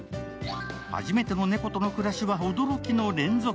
初めての猫との暮らしは驚きの連続。